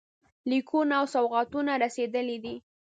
لیکونه او سوغاتونه رسېدلي دي.